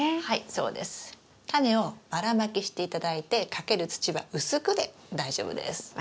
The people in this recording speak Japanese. はいそうです。タネをばらまきして頂いてかける土は薄くで大丈夫です。